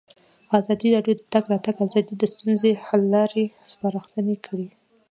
ازادي راډیو د د تګ راتګ ازادي د ستونزو حل لارې سپارښتنې کړي.